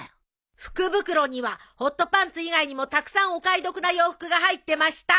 福袋にはホットパンツ以外にもたくさんお買い得な洋服が入ってました！